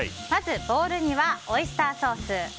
まず、ボウルにはオイスターソース。